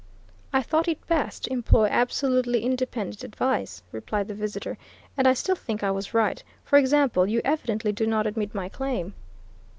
"I thought it best to employ absolutely independent advice," replied the visitor. "And I still think I was right. For example, you evidently do not admit my claim?"